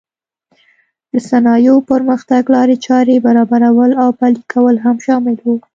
د صنایعو پرمختګ لارې چارې برابرول او پلې کول هم شامل و.